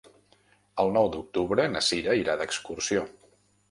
El nou d'octubre na Sira irà d'excursió.